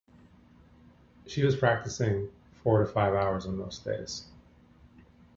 She was practicing four to five hours on most days.